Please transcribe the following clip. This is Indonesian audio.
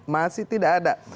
masih tidak ada